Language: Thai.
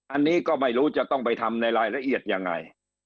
อันนี้ก็ไม่รู้จะต้องไปทำในรายละเอียดยังไง